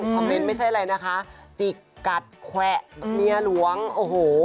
เมนต์ไม่ใช่อะไรนะคะจิกกัดแขวะเมียหลวงโอ้โห